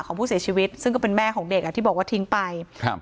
ของผู้เสียชีวิตซึ่งก็เป็นแม่ของเด็กอ่ะที่บอกว่าทิ้งไปครับ